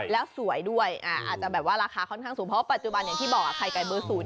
แล้วสวยด้วยอาจจะแบบว่าราคาค่อนข้างสูงเพราะว่าปัจจุบันอย่างที่บอกไข่ไก่เบอร์๐